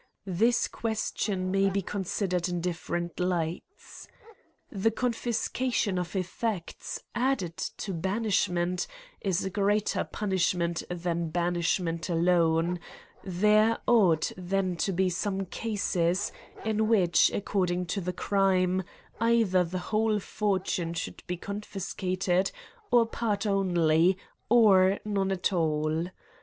This question may be considered in different lights. The confiscation of effects, added to banishment is a greater punishment than banishment alone ; there ought then to be some cases, in which, ac cording to the crime, either the whole fortune should be confiscated, or part only, or none at all.